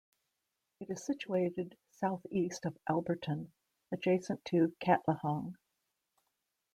It is situated south east of Alberton, adjacent to Katlehong.